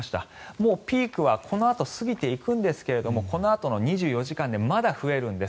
もうピークはこのあと、過ぎていくんですがこのあとの２４時間でまだ増えるんです。